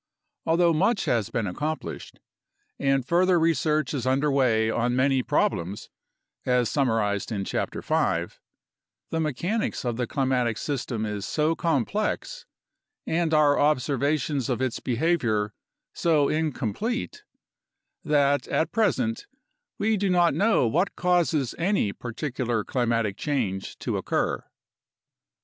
Although much has been accomplished, and further research is under way on many prob lems (as summarized in Chapter 5), the mechanics of the climatic system is so complex, and our observations of its behavior so incom plete, that at present we do not know what causes any particular climatic change to occur.